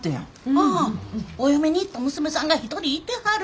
ああお嫁に行った娘さんが１人いてはる。